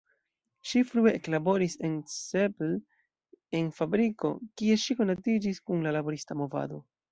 Ŝi frue eklaboris en Csepel en fabriko, kie ŝi konatiĝis kun la laborista movado.